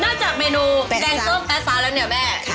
จากเมนูแกงส้มแป๊ฟ้าแล้วเนี่ยแม่